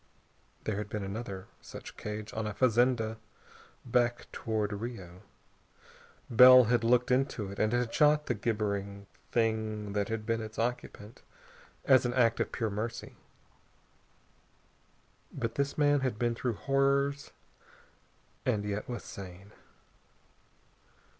There had been another such cage on a fazenda back toward Rio. Bell had looked into it, and had shot the gibbering Thing that had been its occupant, as an act of pure mercy. But this man had been through horrors and yet was sane.